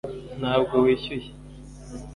ntabwo wishyuye